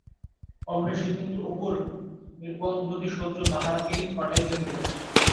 অবশেষে কিন্তু অপুর নির্বন্ধতিশয্যে তাহাকেই পাঠাইতে হইল।